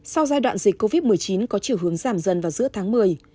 sau giai đoạn dịch covid một mươi chín có chiều hướng giảm dần vào giữa tháng một mươi